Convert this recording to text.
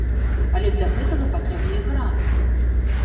Але для гэтага патрэбныя гарантыі.